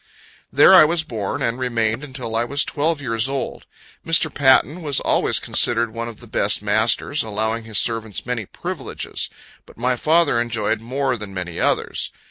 There I was born, and remained until I was twelve years old. Mr. Patten was always considered one of the best of masters, allowing his servants many privileges; but my father enjoyed more than many others.